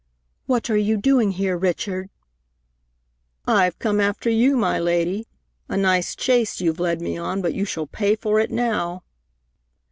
"What are you doing here, Richard?" "I've come after you, my lady. A nice chase you've led me, but you shall pay for it now."